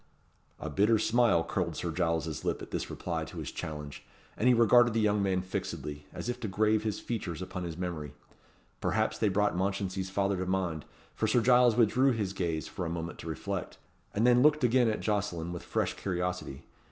A bitter smile curled Sir Giles's lip at this reply to his challenge, and he regarded the young man fixedly, as if to grave his features upon his memory. Perhaps they brought Mounchensey's father to mind, for Sir Giles withdrew his gaze for a moment to reflect, and then looked again at Jocelyn with fresh curiosity.